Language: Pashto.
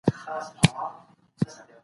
فساد د تباهۍ پیل دی.